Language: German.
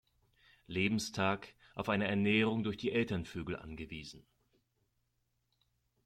Lebenstag auf eine Ernährung durch die Elternvögel angewiesen.